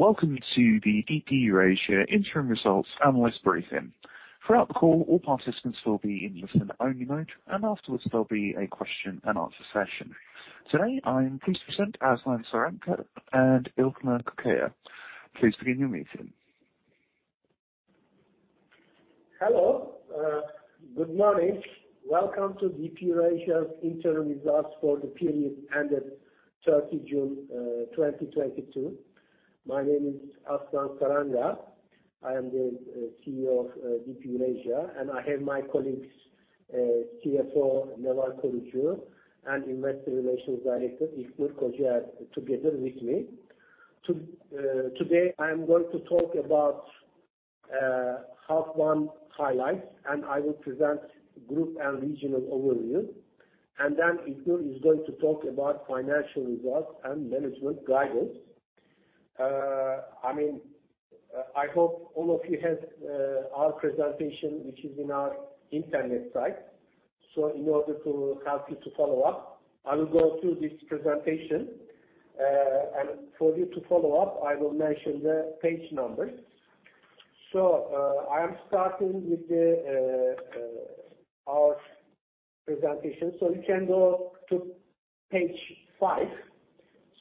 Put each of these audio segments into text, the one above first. Welcome to the DP Eurasia Interim Results Analyst Briefing. Throughout the call, all participants will be in listen only mode, and afterwards there'll be a question and answer session. Today, I am pleased to present Aslan Saranga and Ilknur Kocaer. Please begin your meeting. Hello. Good morning. Welcome to DP Eurasia's interim results for the period ended 30 June 2022. My name is Aslan Saranga. I am the CEO of DP Eurasia, and I have my colleagues, CFO Neval Korucu Alpagut, and Investor Relations Director Ilknur Kocaer, together with me. Today, I am going to talk about half one highlights, and I will present group and regional overview. Then Ilknur is going to talk about financial results and management guidance. I mean, I hope all of you have our presentation, which is in our internet site. In order to help you to follow up, I will go through this presentation. For you to follow up, I will mention the page numbers. I am starting with our presentation. You can go to page five.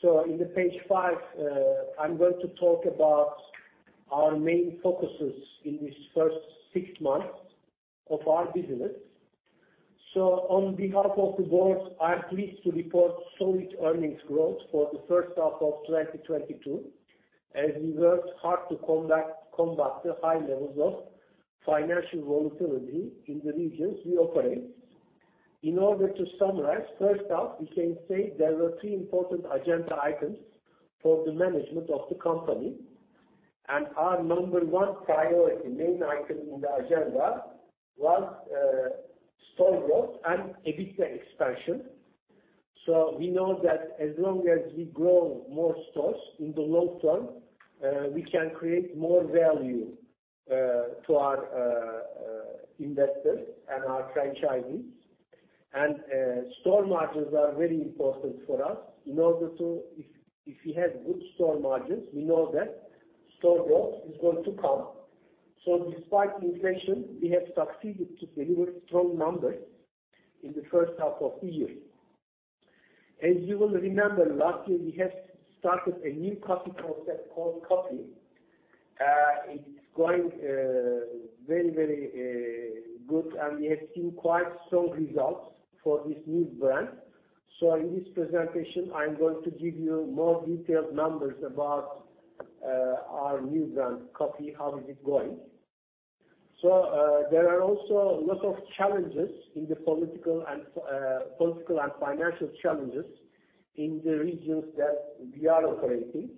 In the page five, I'm going to talk about our main focuses in this first six months of our business. On behalf of the board, I'm pleased to report solid earnings growth for the first half of 2022, as we worked hard to combat the high levels of financial volatility in the regions we operate. In order to summarize, first up, we can say there were three important agenda items for the management of the company. Our number one priority, main item in the agenda was store growth and EBITDA expansion. We know that as long as we grow more stores in the long term, we can create more value to our investors and our franchisees. Store margins are very important for us. In order to... If we have good store margins, we know that store growth is going to come. Despite inflation, we have succeeded to deliver strong numbers in the first half of the year. As you will remember, last year we had started a new coffee concept called COFFY. It's going very good, and we have seen quite strong results for this new brand. In this presentation, I'm going to give you more detailed numbers about our new brand, COFFY, how is it going. There are also a lot of challenges in the political and financial challenges in the regions that we are operating,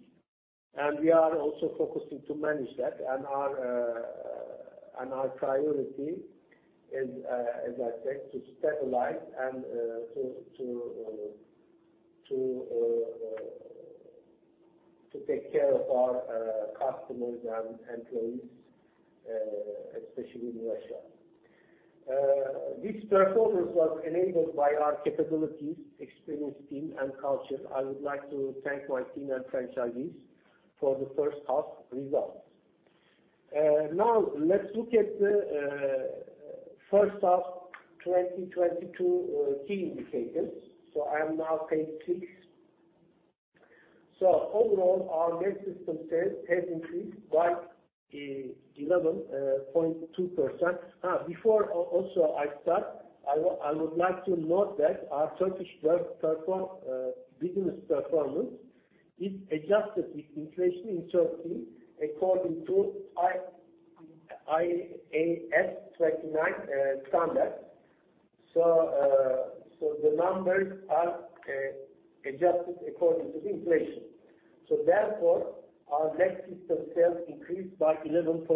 and we are also focusing to manage that. Our priority is, as I said, to stabilize and to take care of our customers and employees, especially in Russia. This performance was enabled by our capabilities, experienced team and culture. I would like to thank my team and franchisees for the first half results. Now let's look at the first half 2022 key indicators. I am now page six. Overall, our net system sales has increased by 11.2%. Before I also start, I would like to note that our Turkish business performance is adjusted with inflation in Turkey according to IAS 29 standard. The numbers are adjusted according to the inflation. Therefore, our net system sales increased by 11.2%.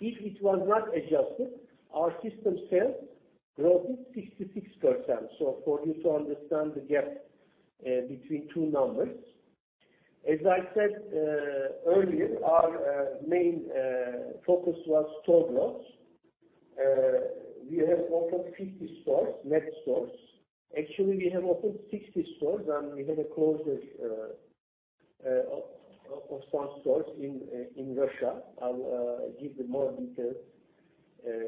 If it was not adjusted, our system sales growth is 66%. For you to understand the gap between two numbers. As I said earlier, our main focus was store growth. We have opened 50 stores, net stores. Actually, we have opened 60 stores, and we had a closure of some stores in Russia. I'll give more details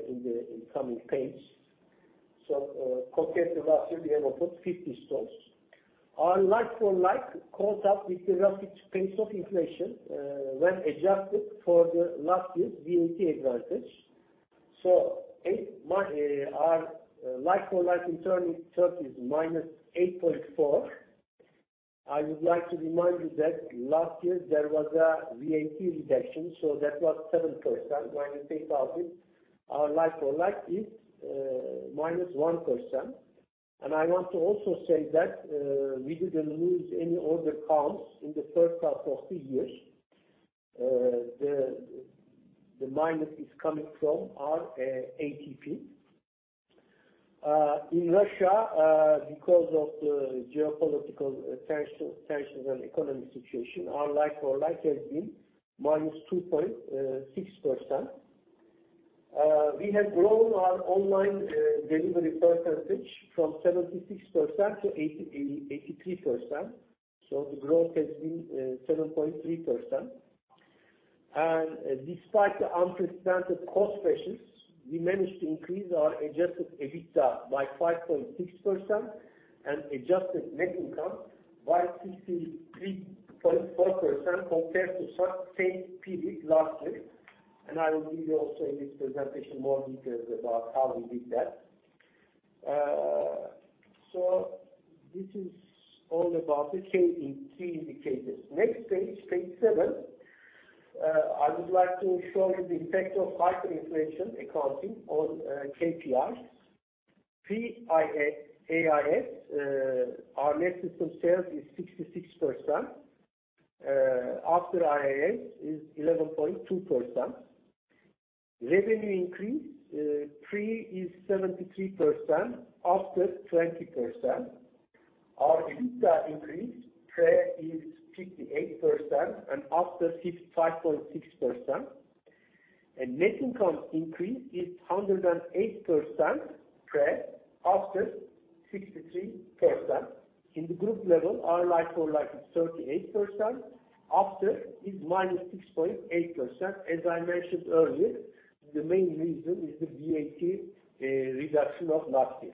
in the coming pages. Compared to last year, we have opened 50 stores. Our like-for-like caught up with the rapid pace of inflation when adjusted for last year's VAT advantage. Our like-for-like in Turkey is -8.4%. I would like to remind you that last year there was a VAT reduction, so that was 7%. When we take out it, our like-for-like is -1%. I want to also say that we didn't lose any order counts in the first half of the year. The minus is coming from our ATV. In Russia, because of the geopolitical tensions and economy situation, our like-for-like has been -2.6%. We have grown our online delivery percentage from 76%-83%. The growth has been 7.3%. Despite the unprecedented cost pressures, we managed to increase our adjusted EBITDA by 5.6% and adjusted net income by 63.4% compared to same period last year. I will give you also in this presentation more details about how we did that. This is all about the key indicators. Next page seven. I would like to show you the impact of hyperinflation accounting on KPIs. Pre-IAS, our net system sales is 66%, after IAS is 11.2%. Revenue increase, pre is 73%, after 20%. Our EBITDA increase pre is 58% and after 5.6%. Net income increase is 108% pre, after 63%. In the group level, our like-for-like is 38%, after is -6.8%. As I mentioned earlier, the main reason is the VAT reduction of last year.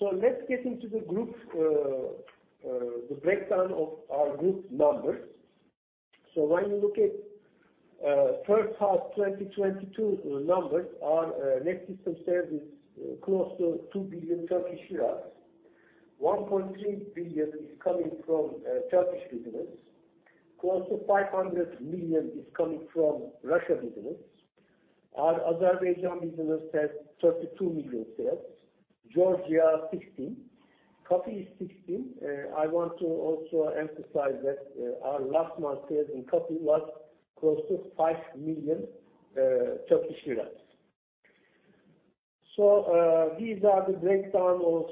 Let's get into the group, the breakdown of our group numbers. When you look at first half 2022 numbers, our net system sales is close to 2 billion. 1.3 billion is coming from Turkish business. Close to 500 million is coming from Russia business. Our Azerbaijan business has 32 million sales. Georgia, 16 million. Coffee is 16 million. I want to also emphasize that our last month sales in coffee was close to 5 million Turkish liras. These are the breakdown of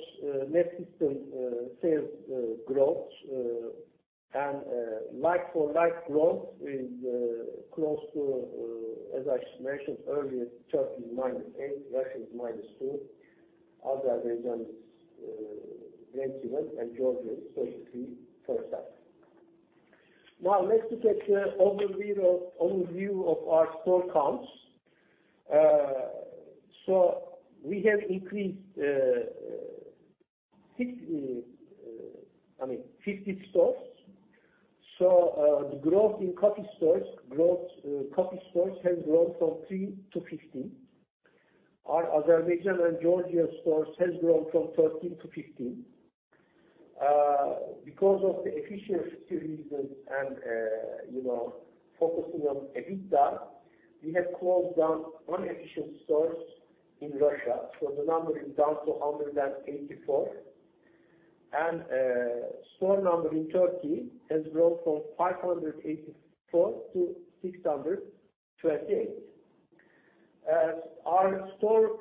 net system sales growth. Like-for-like growth is close to, as I mentioned earlier, Turkey -8%, Russia is -2%, Azerbaijan is 21%, and Georgia is 33%. Now let's look at the overview of our store counts. We have increased, I mean 50 stores. The growth in coffee stores growth, coffee stores have grown from 3 to 15. Our Azerbaijan and Georgia stores has grown from 13 to 15. Because of the efficiency reasons and, you know, focusing on EBITDA, we have closed down inefficient stores in Russia. The number is down to 184. Store number in Turkey has grown from 584 to 628. Our store,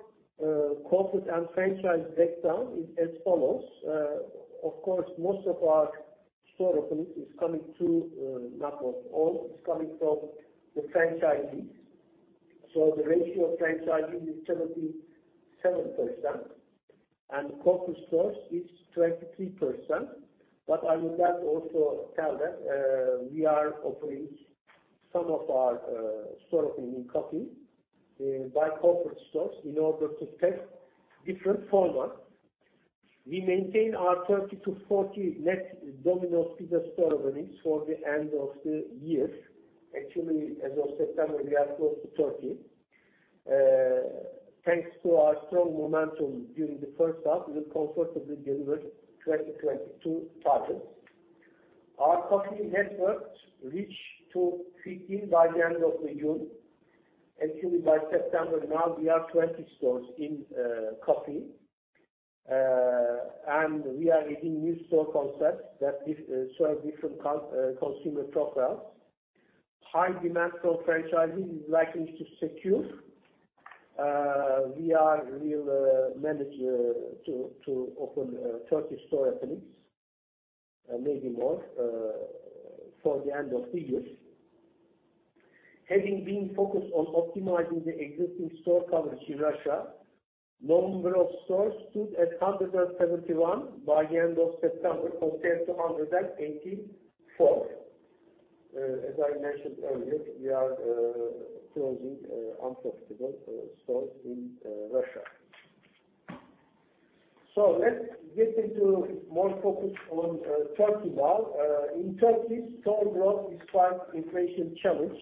corporate and franchise breakdown is as follows. Of course, most of our store openings is coming from the franchisees. The ratio of franchisees is 77%. Corporate stores is 23%. I would like to also tell that, we are opening some of our, store opening in coffee, by corporate stores in order to test different format. We maintain our 30-40 net Domino's Pizza store openings for the end of the year. Actually, as of September, we are close to 30. Thanks to our strong momentum during the first half, we will comfortably deliver 2022 targets. Our coffee network reached 15 by the end of June. Actually, by September now, we are 20 stores in coffee. And we are adding new store concepts that serve different consumer profiles. High demand from franchisees is likely to secure. We'll manage to open 30 store openings, maybe more, for the end of the year. Having been focused on optimizing the existing store coverage in Russia, number of stores stood at 171 by the end of September compared to 184. As I mentioned earlier, we are closing unprofitable stores in Russia. Let's get into more focus on Turkey now. In Turkey, store growth despite inflation challenge.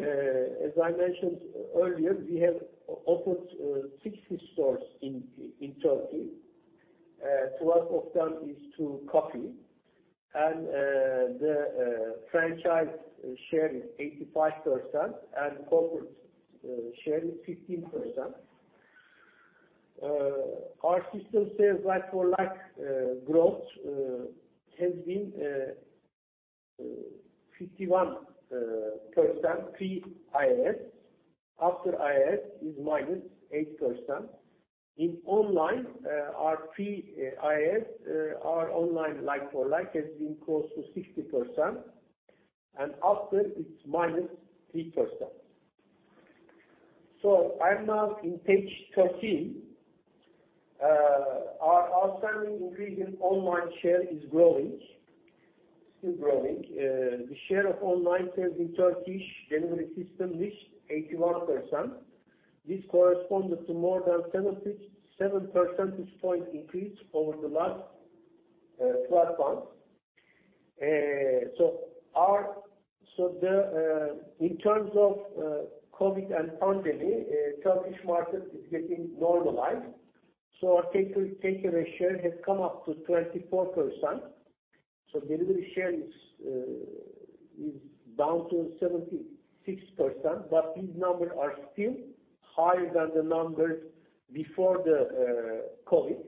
As I mentioned earlier, we have opened 60 stores in Turkey. Twelve of them is to coffee. The franchise share is 85% and corporate share is 15%. Our system sales like-for-like growth has been 51% pre-IAS. After IAS is -8%. In online, our pre-IAS, our online like-for-like has been close to 60% and after it's -3%. I'm now in page 13. Our standing increase in online share is growing, still growing. The share of online sales in Turkish delivery system reached 81%. This corresponded to more than seven percentage point increase over the last 12 months. In terms of COVID and pandemic, the Turkish market is getting normalized. Our takeaway share has come up to 24%. Delivery share is down to 76%, but these numbers are still higher than the numbers before the COVID.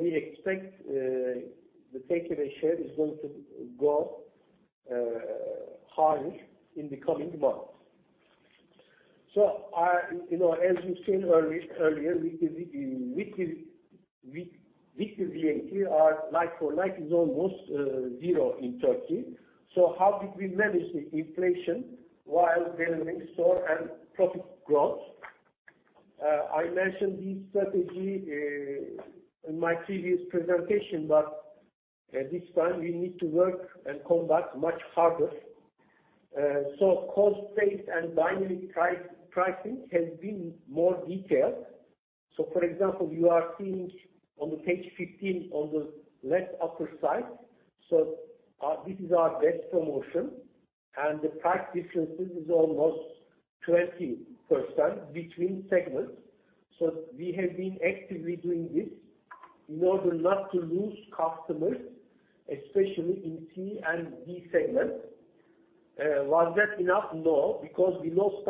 We expect the takeaway share is going to go higher in the coming months. I, you know, as you've seen earlier, week-to-week here, our like-for-like is almost zero in Turkey. How did we manage the inflation while delivering store and profit growth? I mentioned this strategy in my previous presentation, but at this time we need to work and combat much harder. Cost price and dynamic pricing has been more detailed. For example, you are seeing on the page 15 on the left upper side. This is our best promotion and the price differences is almost 20% between segments. We have been actively doing this in order not to lose customers, especially in C and B segment. Was that enough? No, because we lost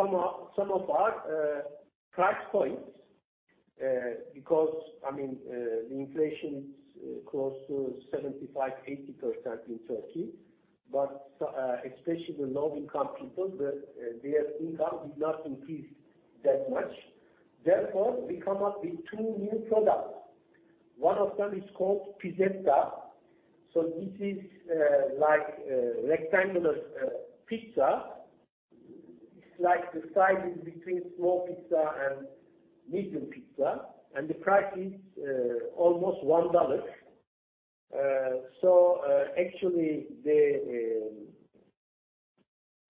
some of our price points, because I mean, the inflation is close to 75%-80% in Turkey. Especially the low income people, their income did not increase that much. Therefore, we come up with two new products. One of them is called Pizzetta. This is like a rectangular pizza. It's like the size in between small pizza and medium pizza, and the price is almost $1. Actually the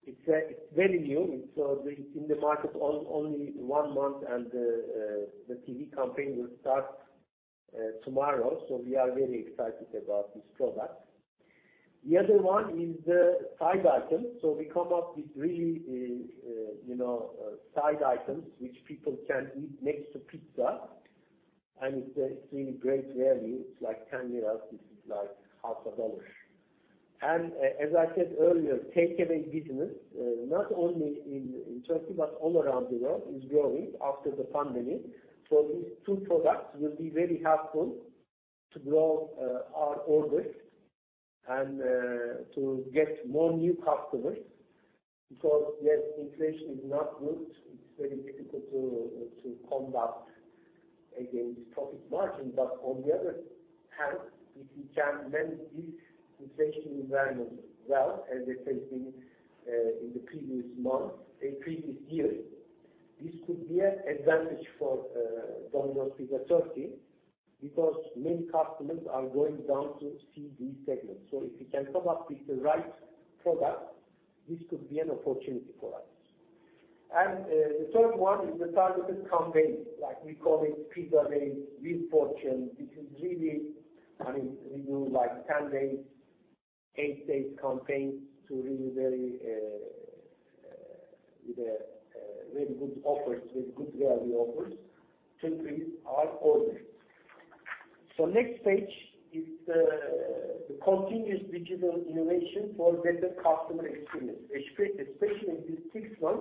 It's very new. It's in the market only one month and the TV campaign will start tomorrow. We are very excited about this product. The other one is the side item. We come up with really, you know, side items which people can eat next to pizza, and it's really great value. It's like 10 TRY. This is like $0.50. As I said earlier, takeaway business not only in Turkey, but all around the world is growing after the pandemic. These two products will be very helpful to grow our orders and to get more new customers. Because yes, inflation is not good. It's very difficult to combat against profit margin. On the other hand, if we can manage this inflation environment well, as it has been in the previous month and previous year, this could be an advantage for Domino's Pizza Turkey, because many customers are going down to C, D segments. If we can come up with the right product, this could be an opportunity for us. The third one is the targeted campaign, like we call it Pizza Day, Wheel of Fortune. This is really, I mean, we do like 10 days, eight days campaign to really very with a very good offers, with good value offers to increase our orders. Next page is the continuous digital innovation for better customer experience, especially in this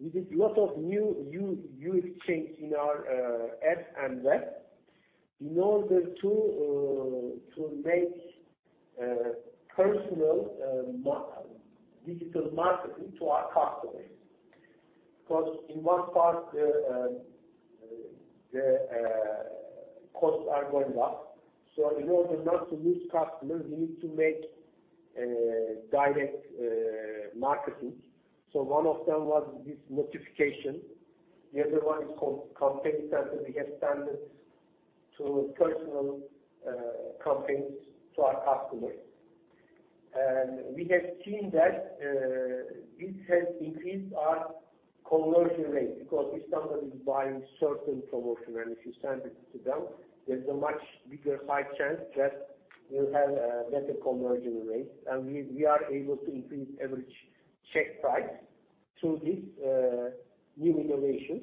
six months. We did a lot of new UX changes in our app and web in order to make personal digital marketing to our customers. Because in one part the costs are going up, so in order not to lose customers, we need to make direct marketing. One of them was this notification. The other one is called campaign center. We have sent personal campaigns to our customers. We have seen that this has increased our conversion rate, because if somebody's buying certain promotion and if you send it to them, there's a much bigger high chance that you'll have a better conversion rate. We are able to increase average check price through these new innovations.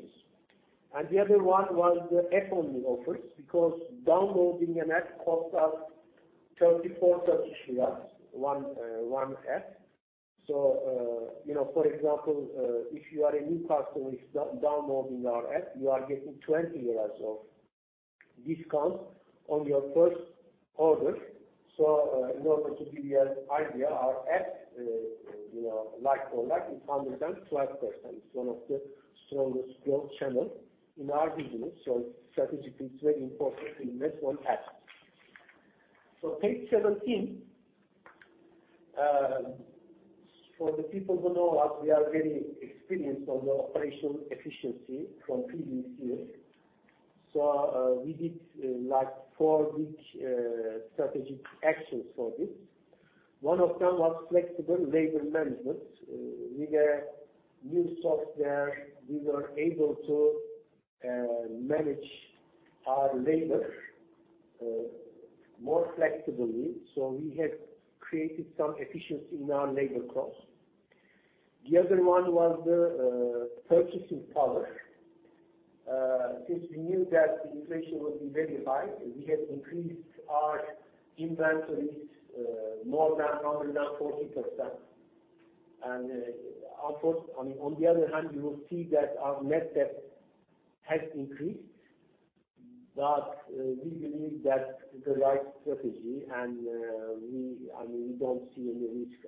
The other one was the app-only offers, because downloading an app costs us TRY 34, one app. You know, for example, if you are a new customer downloading our app, you are getting TRY 20 off discount on your first order. In order to give you an idea, our app, you know, like-for-like is 112%. It's one of the strongest growth channel in our business, so strategically it's very important to invest on apps. Page 17. For the people who know us, we are very experienced on the operational efficiency from previous years. We did like four big strategic actions for this. One of them was flexible labor management. We get new software. We were able to manage our labor more flexibly, so we have created some efficiency in our labor costs. The other one was the purchasing power. Since we knew that the inflation would be very high, we have increased our inventories more than 140%. Of course, I mean, on the other hand, you will see that our net debt has increased. We believe that's the right strategy and, I mean, we don't see any risk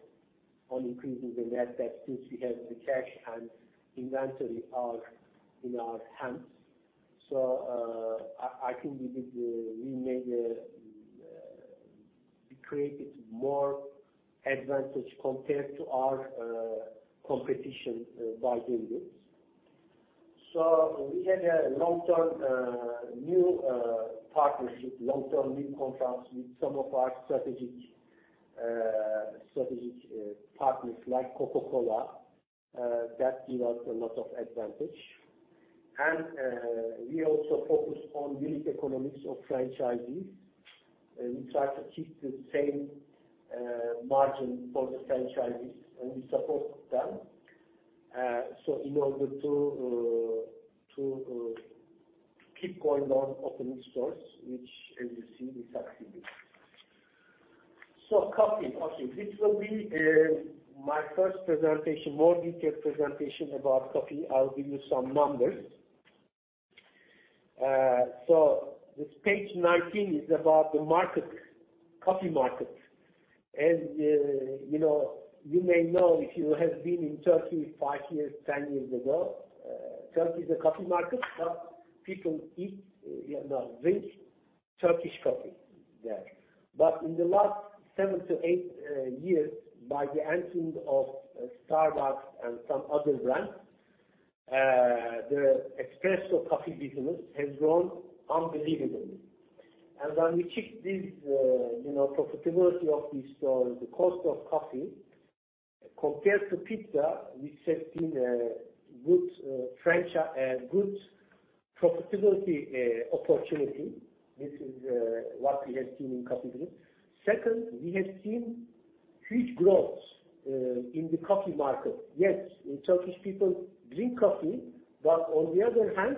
on increasing the net debt since we have the cash and inventory are in our hands. I think we created more advantage compared to our competition by doing this. We had a long-term new partnership, long-term new contracts with some of our strategic partners like Coca-Cola. That gives us a lot of advantage. We also focus on unit economics of franchisees. We try to keep the same margin for the franchisees, and we support them so in order to keep going on opening stores, which as you see is activity. Coffee. Okay. This will be my first presentation, more detailed presentation about coffee. I'll give you some numbers. This page 19 is about the market, coffee market. You know, you may know if you have been in Turkey five years, 10 years ago, Turkey is a coffee market, but people don't drink Turkish coffee there. In the last 7-8 years, by the entrance of Starbucks and some other brands, the espresso coffee business has grown unbelievably. When we check this, you know, profitability of these stores, the cost of coffee compared to pizza, which has been a good profitability opportunity. This is what we have seen in coffee business. Second, we have seen huge growth in the coffee market. Yes, Turkish people drink coffee, but on the other hand,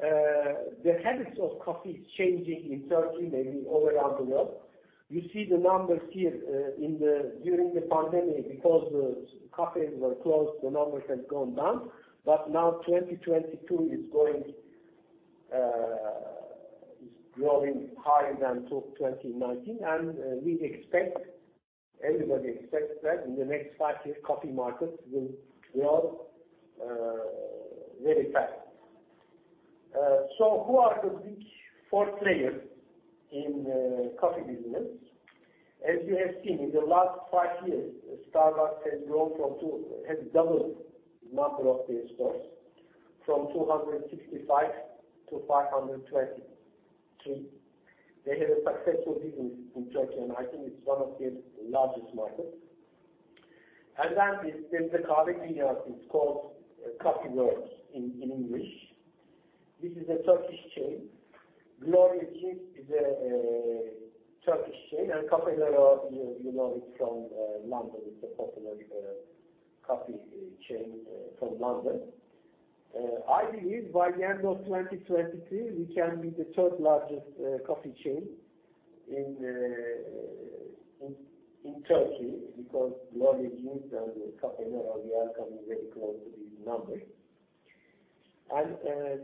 the habits of coffee is changing in Turkey, maybe all around the world. You see the numbers here during the pandemic. Because the cafes were closed, the numbers have gone down. Now 2022 is growing higher than 2019, and we expect, everybody expects that in the next five years coffee market will grow very fast. So who are the big four players in the coffee business? As you have seen, in the last five years, Starbucks has grown from two. Has doubled number of their stores from 265 to 522. They have a successful business in Turkey, and I think it's one of their largest markets. Then there's the Kahve Dünyası. It's called Coffee World in English. This is a Turkish chain. Gloria Jean's Coffees is a Turkish chain. Caffè Nero, you know it from London. It's a popular coffee chain from London. I believe by the end of 2023, we can be the third largest coffee chain in Turkey, because Gloria Jean's and Caffè Nero, we are coming very close to these numbers.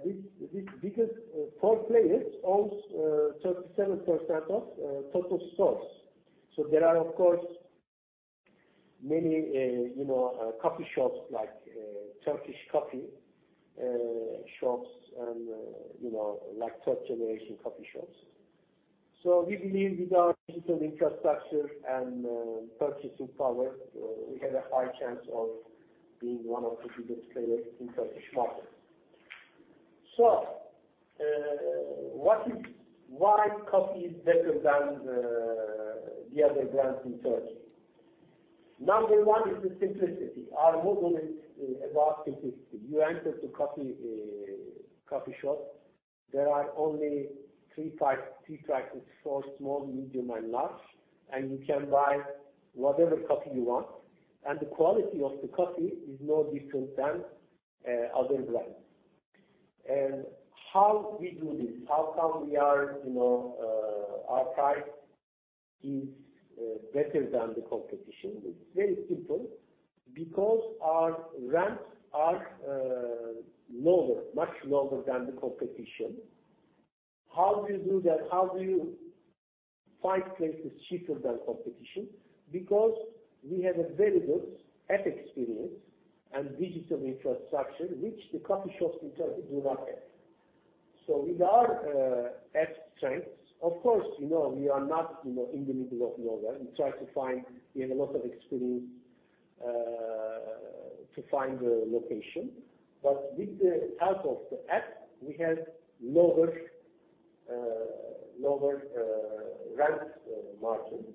These biggest four players owns 37% of total stores. There are of course many, you know, coffee shops like Turkish coffee shops and, you know, like third generation coffee shops. We believe with our digital infrastructure and purchasing power, we have a high chance of being one of the biggest players in Turkish market. Why COFFY is better than the other brands in Turkey? Number one is the simplicity. Our model is about simplicity. You enter to coffee shop. There are only three types, three sizes, small, medium and large. You can buy whatever coffee you want, and the quality of the coffee is no different than other brands. How we do this, how come our prices are better than the competition. It's very simple, because our rents are lower, much lower than the competition. How do you do that? How do you find places cheaper than competition? Because we have a very good app experience and digital infrastructure which the coffee shops in Turkey do not have. With our app strengths, of course we are not in the middle of nowhere. We try to find. We have a lot of experience to find the location. But with the help of the app, we have lower rent margins.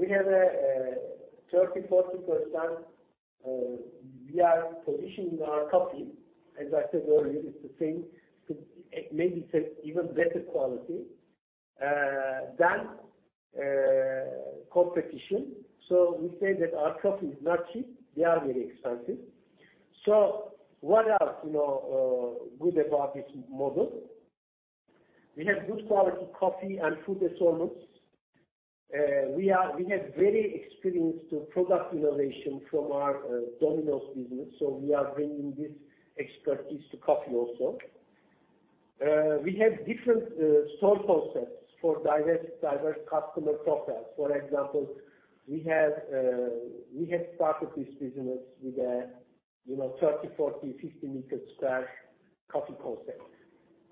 We have a 30%-40%, we are positioning our coffee. As I said earlier, it's the same, maybe it's even better quality than competition. What else, you know, good about this model? We have good quality coffee and food assortments. We have very experienced product innovation from our Domino's business, so we are bringing this expertise to coffee also. We have different store concepts for diverse customer profiles. For example, we have started this business with a, you know, 30, 40, 50 meter square coffee concept.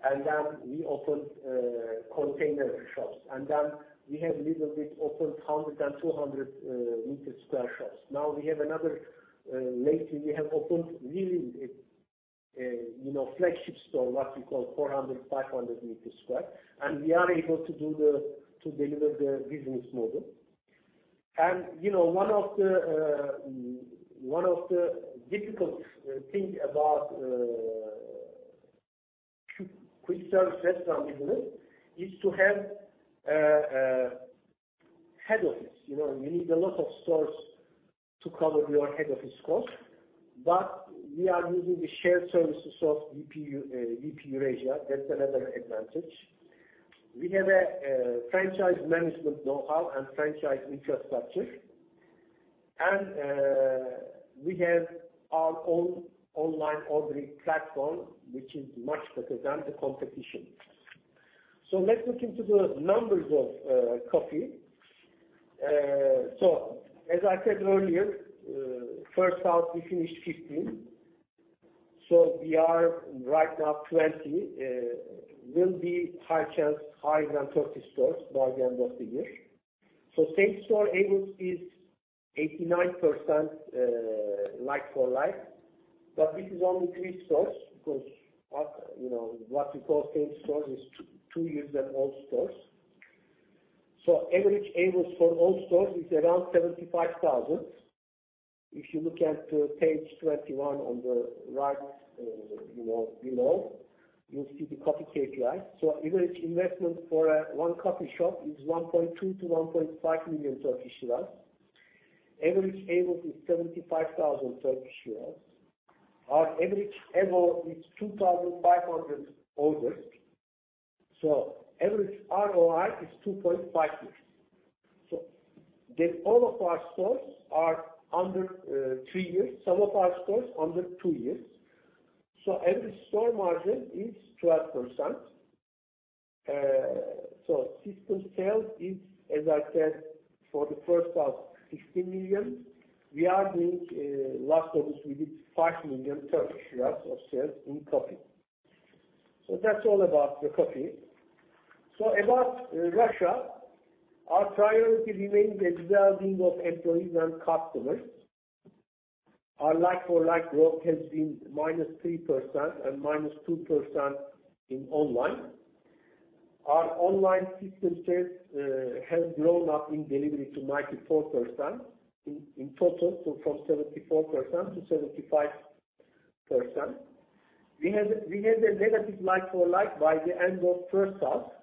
Then we opened container shops, and then we have little bit opened 100 and 200 meter square shops. Now we have another, lately we have opened really, you know, flagship store, what you call 400-500 square meters. We are able to to deliver the business model. You know, one of the difficult thing about quick service restaurant business is to have a head office. You know, you need a lot of stores to cover your head office cost. We are using the shared services of DP Eurasia. That's another advantage. We have a franchise management know-how and franchise infrastructure. We have our own online ordering platform, which is much better than the competition. Let's look into the numbers of coffee. As I said earlier, first half we finished 15. We are right now 20, will be high chance higher than 30 stores by the end of the year. Same-store AVOS is 89%, like-for-like. But this is only three stores, because us, you know, what we call same stores is two years and old stores. Average AVOS for all stores is around 75,000. If you look at page 21 on the right, you know, below, you'll see the coffee KPIs. Average investment for one coffee shop is 1.2 million-1.5 million. Average AVOS is 75,000. Our average MVO is 2,500 orders. Average ROI is 2.5 years. All of our stores are under three years, some of our stores under two years. Every store margin is 12%. System sales is, as I said, for the first half, 50 million. We are doing, last August we did 5 million of sales in coffee. That's all about the coffee. About Russia, our priority remains the well-being of employees and customers. Our like-for-like growth has been -3% and -2% in online. Our online system sales has grown up in delivery to 94% in total, so from 74%-75%. We had a negative like-for-like by the end of first half.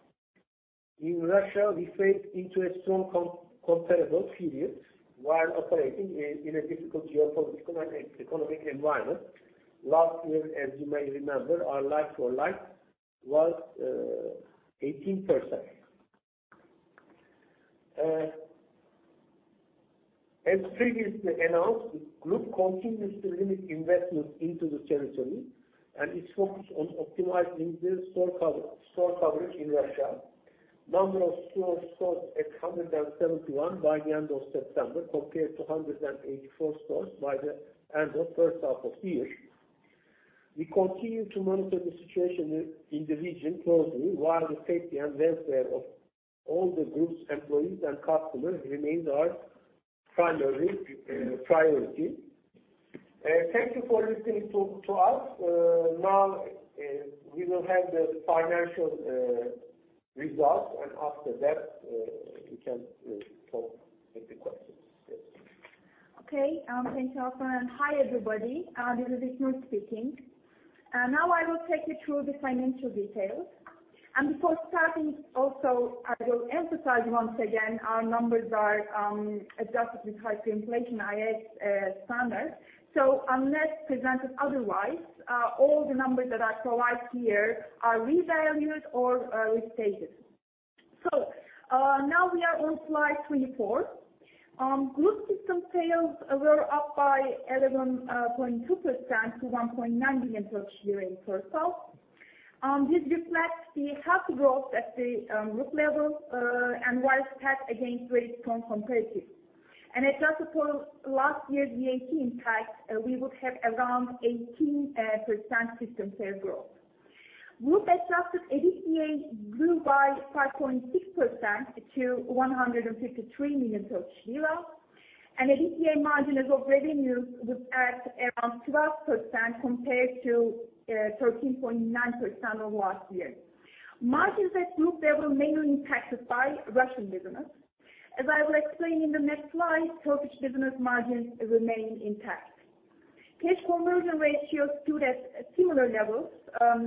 In Russia, we face into a strong comparable period while operating in a difficult geopolitical and economic environment. Last year, as you may remember, our like-for-like was 18%. As previously announced, the group continues to limit investments into the territory, and it's focused on optimizing the store cover, store coverage in Russia. Number of stores stood at 171 by the end of September, compared to 184 stores by the end of first half of year. We continue to monitor the situation in the region closely while the safety and welfare of all the group's employees and customers remains our primary priority. Thank you for listening to us. Now, we will have the financial results. After that, we can take the questions. Yes. Okay, thanks, Taha. Hi, everybody. Neval Korucu Alpagut speaking. Now I will take you through the financial details. Before starting also I will emphasize once again our numbers are adjusted with hyperinflation IAS standards. Unless presented otherwise, all the numbers that I provide here are revalued or restated. Now we are on slide 24. Group system sales were up by 11.2% to 1.9 billion in first half. This reflects the healthy growth at the group level and was stacked against very strong comparative. Adjusting for last year's VAT impact, we would have around 18% system sales growth. Group adjusted EBITDA grew by 5.6% to TRY 153 million. EBITDA margin as of revenues was at around 12% compared to 13.9% of last year. Margins at group level mainly impacted by Russian business. As I will explain in the next slide, Turkish business margins remain intact. Cash conversion ratio stood at similar levels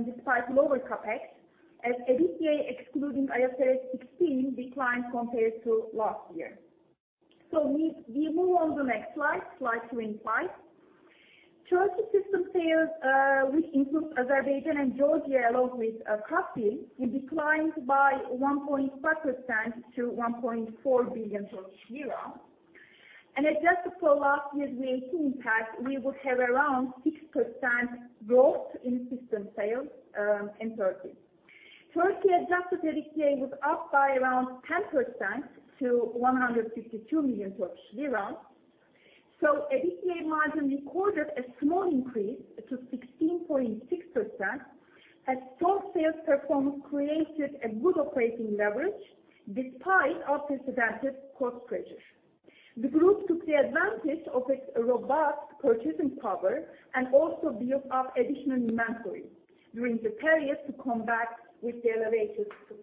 despite lower CapEx, as EBITDA excluding IFRS 15 declined compared to last year. We move on to the next slide 25. Turkey system sales, which includes Azerbaijan and Georgia, along with coffee, declined by 1.5% to TRY 1.4 billion. Adjusted for last year's VAT impact, we would have around 6% growth in system sales in Turkey. Turkey adjusted EBITDA was up by around 10% to 152 million Turkish lira. EBITDA margin recorded a small increase to 16.6% as store sales performance created a good operating leverage despite unprecedented cost pressures. The group took the advantage of its robust purchasing power and also built up additional inventory during the period to combat with the elevated food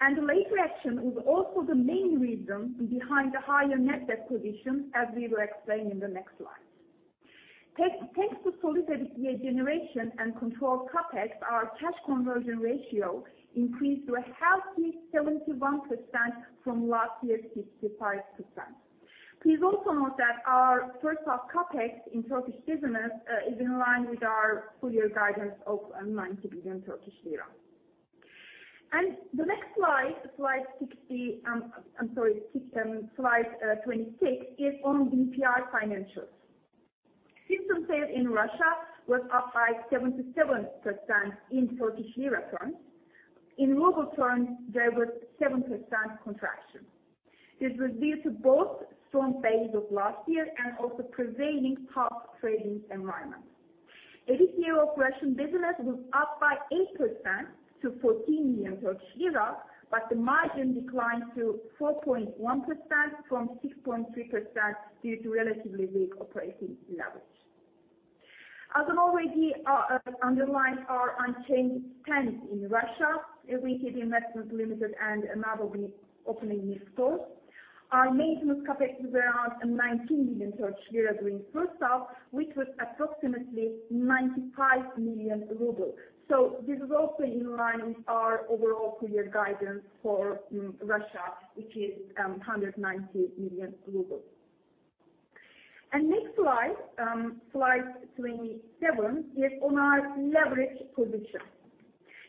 costs. The later action was also the main reason behind the higher net debt position, as we will explain in the next slide. Thanks to solid EBITDA generation and controlled CapEx, our cash conversion ratio increased to a healthy 71% from last year's 65%. Please also note that our first half CapEx in Turkish business is in line with our full year guidance of 90 billion Turkish lira. The next slide 26, is on DPR financials. System sales in Russia was up by 77% in Turkish lira terms. In ruble terms, there was 7% contraction. This was due to both strong base of last year and also prevailing tough trading environment. EBITDA of Russian business was up by 8% to 14 million Turkish lira, but the margin declined to 4.1% from 6.3% due to relatively weak operating leverage. As I've already underlined our unchanged stance in Russia, we see the investments limited and another big opening next store. Our maintenance CapEx is around 19 million Turkish lira during first half, which was approximately 95 million rubles. So this is also in line with our overall full year guidance for Russia, which is 190 million rubles. Next slide 27, is on our leverage position.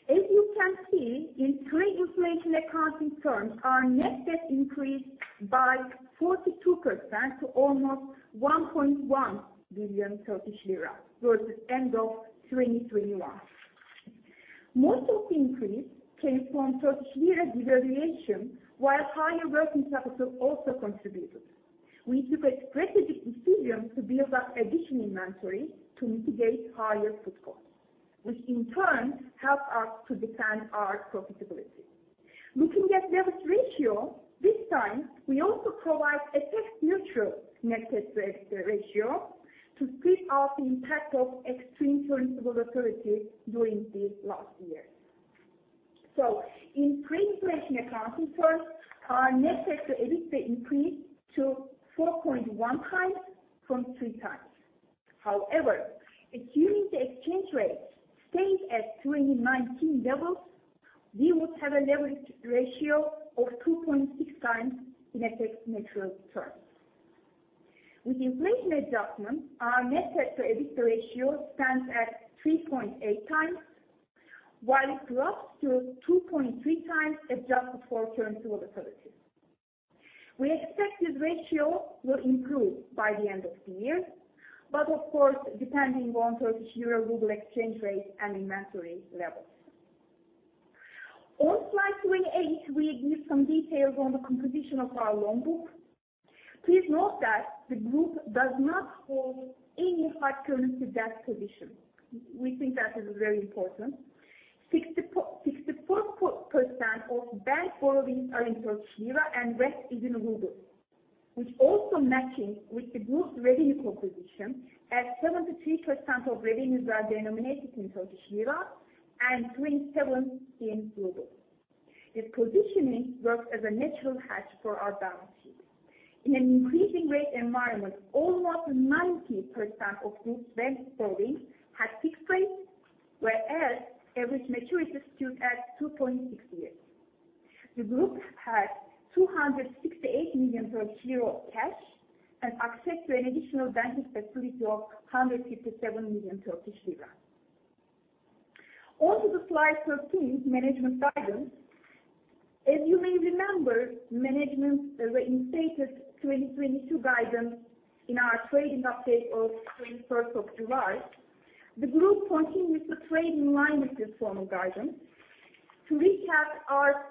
As you can see, in pre-inflation accounting terms, our net debt increased by 42% to almost 1.1 billion Turkish lira versus end of 2021. Most of the increase came from Turkish lira devaluation, while higher working capital also contributed. We took a strategic decision to build up additional inventory to mitigate higher food costs, which in turn helped us to defend our profitability. Looking at leverage ratio, this time we also provide a tax-neutral net debt ratio to strip out the impact of extreme currency volatility during this last year. In pre-inflation accounting terms, our net debt to EBITDA increased to 4.1x from 3x. However, assuming the exchange rates stayed at 2019 levels, we would have a leverage ratio of 2.6x in tax-neutral terms. With inflation adjustment, our net debt to EBITDA ratio stands at 3.8x, while it drops to 2.3x adjusted for currency volatility. We expect this ratio will improve by the end of the year, but of course, depending on Turkish lira/ruble exchange rate and inventory levels. On slide 28, we give some details on the composition of our loan book. Please note that the group does not hold any hard currency debt position. We think that is very important. 64% of bank borrowings are in Turkish lira and rest is in ruble, which also matching with the group's revenue composition as 73% of revenues are denominated in Turkish lira and 27% in ruble. This positioning works as a natural hedge for our balance sheet. In an increasing rate environment, almost 90% of group's bank borrowings have fixed rates, whereas average maturities stood at 2.6 years. The group has TRY 268 million cash and access to an additional banking facility of 157 million Turkish lira. On to slide 13, management guidance. As you may remember, management reinstated 2022 guidance in our trading update of 21st of July. The group continues to trade in line with this form of guidance. To recap our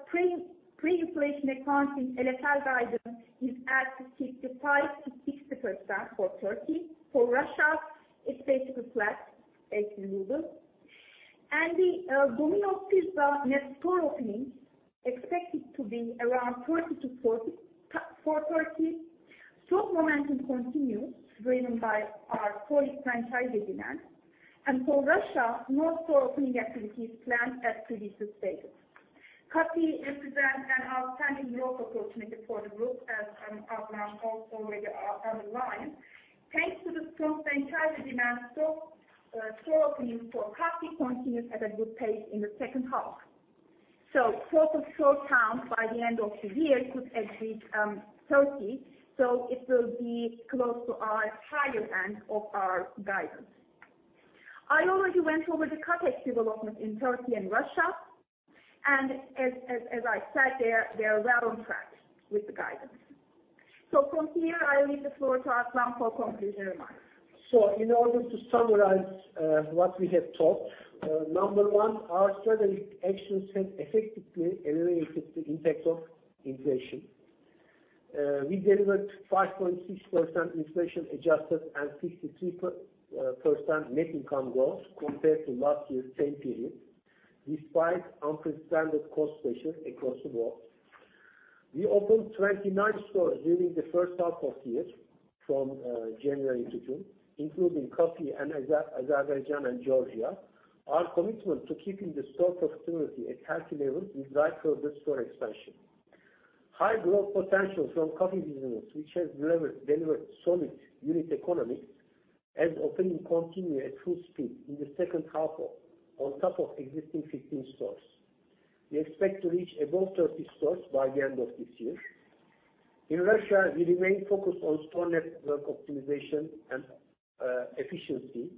pre-inflation accounting LFL guidance is at 55%-60% for Turkey. For Russia, it's basically flat as in ruble. Domino's Pizza net store openings expected to be around 40-44 Turkey. Strong momentum continues driven by our solid franchise demand. For Russia, more store opening activities planned as previously stated. COFFY represents an outstanding growth opportunity for the group as Aslan Saranga also already underlined. Thanks to the strong franchise demand store openings for coffee continues at a good pace in the second half. Total store count by the end of the year could exceed 30. It will be close to our higher end of our guidance. I already went over the CapEx development in Turkey and Russia, and as I said, they're well on track with the guidance. From here, I leave the floor to Aslan Saranga for conclusion remarks. In order to summarize what we have talked number one, our strategic actions have effectively alleviated the impact of inflation. We delivered 5.6% inflation adjusted and 53% net income growth compared to last year's same period, despite unprecedented cost pressures across the board. We opened 29 stores during the first half of the year from January to June, including COFFY and Azerbaijan and Georgia. Our commitment to keeping the store profitability at healthy levels is drive further store expansion. High growth potential from COFFY business, which has delivered solid unit economics and opening continue at full speed in the second half on top of existing 15 stores. We expect to reach above 30 stores by the end of this year. In Russia, we remain focused on store network optimization and efficiency.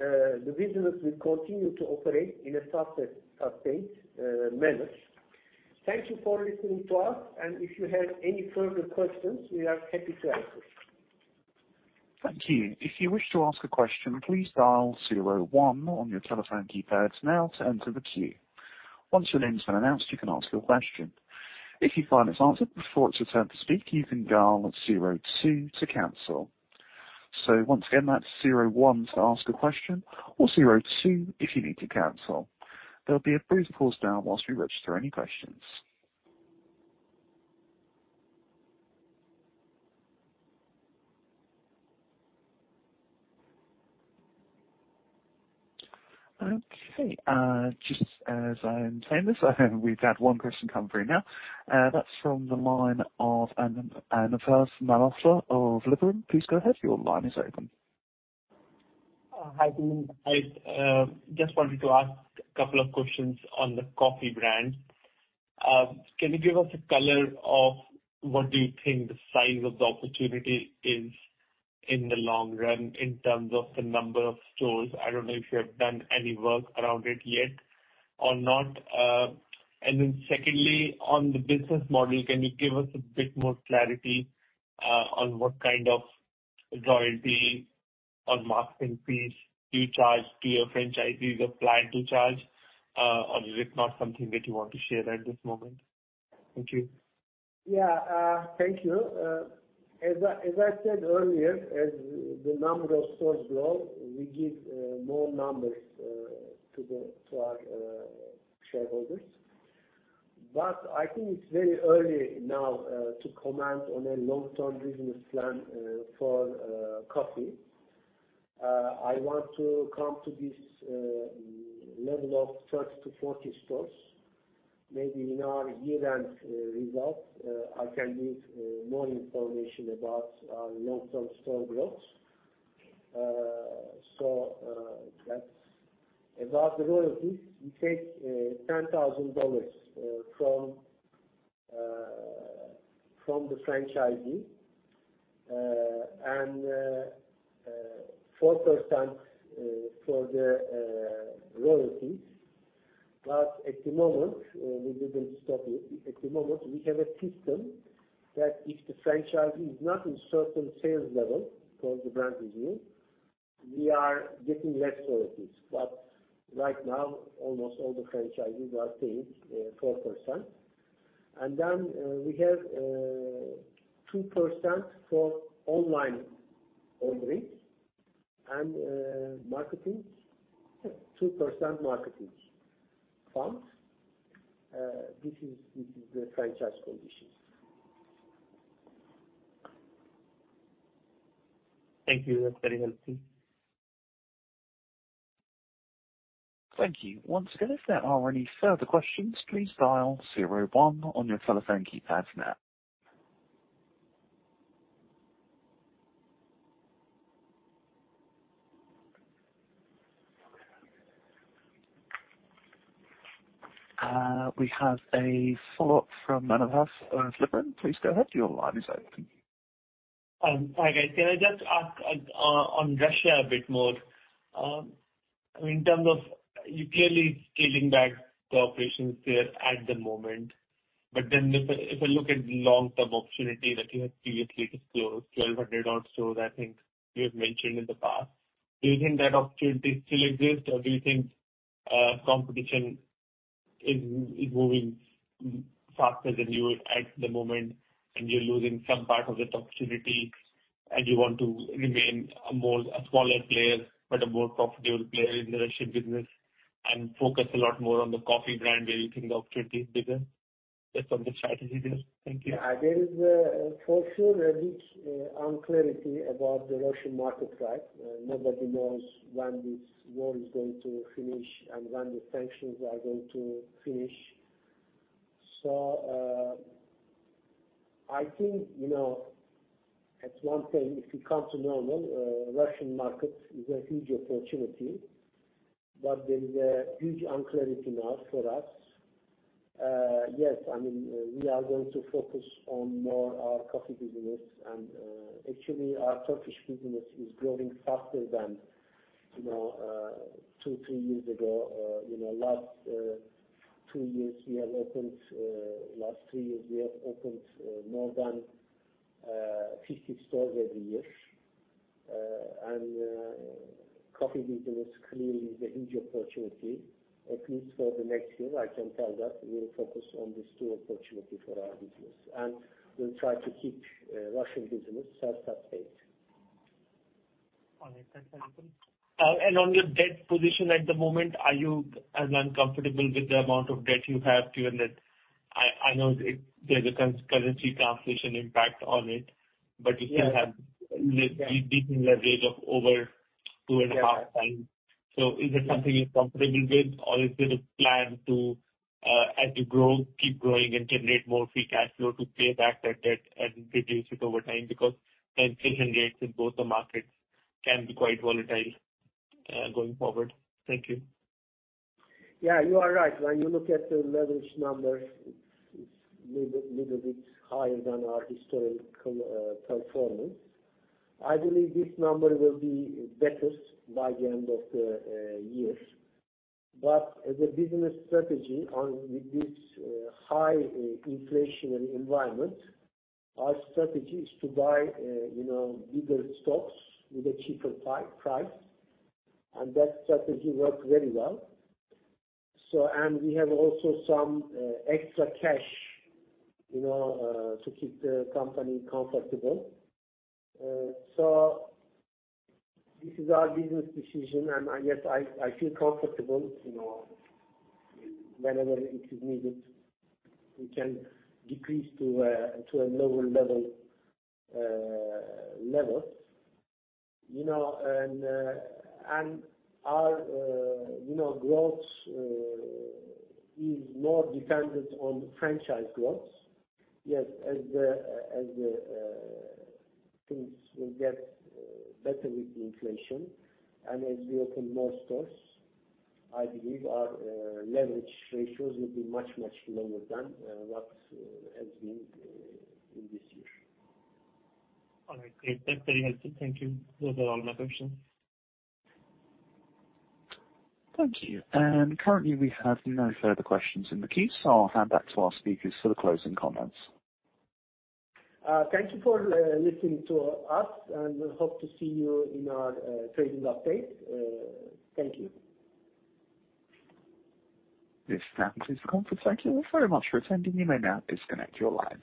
The business will continue to operate in a subset state manner. Thank you for listening to us, and if you have any further questions, we are happy to answer. Thank you. If you wish to ask a question, please dial zero one on your telephone keypads now to enter the queue. Once your name's been announced, you can ask your question. If you find it's answered before it's your turn to speak, you can dial zero two to cancel. Once again, that's zero one to ask a question or zero two if you need to cancel. There'll be a brief pause now while we register any questions. Okay. Just as I'm saying this, we've had one question come through now. That's from the line of Anubhav Malhotra of Liberum. Please go ahead. Your line is open. Hi team. I just wanted to ask a couple of questions on the COFFY brand. Can you give us a color of what do you think the size of the opportunity is in the long run in terms of the number of stores? I don't know if you have done any work around it yet or not. Then secondly, on the business model, can you give us a bit more clarity on what kind of royalty on marketing fees do you charge to your franchisees or plan to charge, or is it not something that you want to share at this moment? Thank you. Yeah. Thank you. As I said earlier, as the number of stores grow, we give more numbers to our shareholders. I think it's very early now to comment on a long-term business plan for COFFY. I want to come to this level of 30-40 stores. Maybe in our year-end results, I can give more information about our long-term store growth. About the royalties, we take $10,000 from the franchisee and 4% for the royalties. At the moment, we didn't stop it. At the moment, we have a system that if the franchisee is not in certain sales level for the brand review, we are getting less royalties. Right now, almost all the franchisees are paying 4%. We have 2% for online orders and marketing. 2% marketing funds. This is the franchise conditions. Thank you. That's very helpful. Thank you. Once again, if there are any further questions, please dial zero one on your telephone keypads now. We have a follow-up from Anubhav Malhotra of Liberum. Please go ahead. Your line is open. Hi guys. Can I just ask on Russia a bit more? I mean, in terms of you clearly scaling back the operations there at the moment. If I look at long-term opportunity that you had previously disclosed, 1,200-odd stores, I think you had mentioned in the past. Do you think that opportunity still exists? Or do you think competition is moving faster than you at the moment, and you're losing some part of that opportunity? You want to remain a smaller player, but a more profitable player in the Russian business and focus a lot more on the coffee brand, where you think the opportunity is bigger? Just on the strategy there. Thank you. There is, for sure, a big uncertainty about the Russian market, right? Nobody knows when this war is going to finish and when the sanctions are going to finish. I think, you know, on the one hand, if we come to normal, Russian market is a huge opportunity. There is a huge uncertainty now for us. Yes, I mean, we are going to focus more on our coffee business and actually our Turkish business is growing faster than you know 2-3 years ago. You know, last three years we have opened more than 50 stores every year. Coffee business clearly is a huge opportunity, at least for the next year. I can tell that we'll focus on these two opportunities for our business. We'll try to keep Russian business self-sustained. All right. Thanks, Anubhav. On your debt position at the moment, are you as uncomfortable with the amount of debt you have given that I know it, there's a currency translation impact on it? Yeah. You still have. Yeah. Decent leverage of over 2.5x. Yeah. Is it something you're comfortable with? Or is it a plan to, as you grow, keep growing and generate more free cash flow to pay back that debt and reduce it over time? Because inflation rates in both the markets can be quite volatile, going forward. Thank you. Yeah, you are right. When you look at the leverage numbers, it's little bit higher than our historical core performance. I believe this number will be better by the end of the year. As a business strategy in this high inflationary environment, our strategy is to buy, you know, bigger stocks with a cheaper price, and that strategy worked very well. We have also some extra cash, you know, to keep the company comfortable. This is our business decision and yes, I feel comfortable, you know, whenever it is needed, we can decrease to a lower level. You know, and our growth is more dependent on franchise growth. Yes, as the things will get better with the inflation and as we open more stores, I believe our leverage ratios will be much, much lower than what has been in this year. All right, great. That's very helpful. Thank you. Those are all my questions. Thank you. Currently we have no further questions in the queue, so I'll hand back to our speakers for the closing comments. Thank you for listening to us, and hope to see you in our trading update. Thank you. This ends this conference. Thank you very much for attending. You may now disconnect your lines.